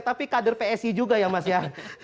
tapi kader psi juga ya mas ya